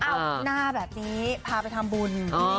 หน้าแบบนี้พาไปทำบุญ